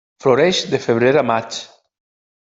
Floreix de febrer a maig.